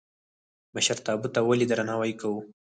مشرتابه ته ولې درناوی کوو؟